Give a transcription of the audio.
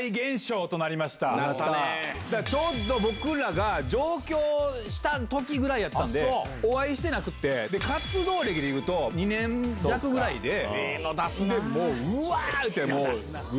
ちょうど僕らが上京した時ぐらいやったんでお会いしてなくて活動歴でいうと２年弱ぐらいで。